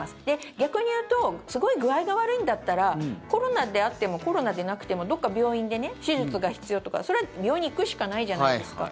逆に言うとすごい具合が悪いんだったらコロナであってもコロナでなくてもどこか病院で手術が必要とかそれは病院に行くしかないじゃないですか。